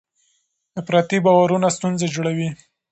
افراطي باورونه ستونزې جوړوي.